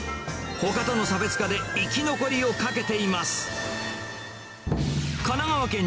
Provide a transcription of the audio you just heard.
ほかとの差別化で、生き残りをかけています。